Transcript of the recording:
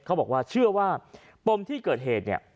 เขาบอกว่าเชื่อว่าปมที่เกิดเหตุเนี่ย